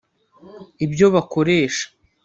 ibyo bakoresha